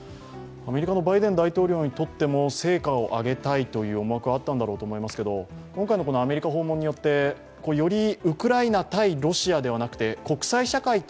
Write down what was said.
アメリカのバイデン大統領にとっても成果を上げたいという思惑もあったんだと思いますけど今回のアメリカ訪問によってより、ウクライナ対ロシアではなくて国際社会対